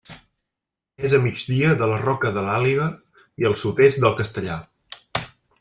És a migdia de la Roca de l'Àliga i al sud-est del Castellar.